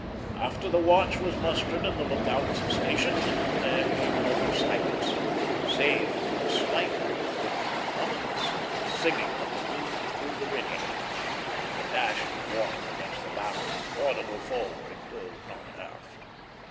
After the watch was mustered and the lookouts stationed, there came perfect silence, save for the slight, but not ominous, singing of the wind through the rigging, and the dash of the water against the bows, audible forward though not aft.